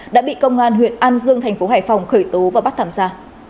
đã bị công an huyện an dương thành phố hải phòng khởi tố và bắt thảm ra